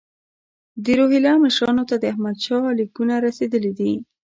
د روهیله مشرانو ته د احمدشاه لیکونه رسېدلي دي.